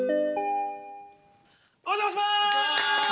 お邪魔します！